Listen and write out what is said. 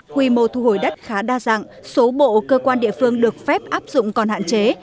quy mô thu hồi đất khá đa dạng số bộ cơ quan địa phương được phép áp dụng còn hạn chế